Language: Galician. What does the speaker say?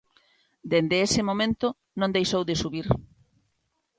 Dende ese momento non deixou de subir.